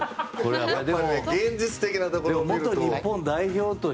でも現実的なところを見ると。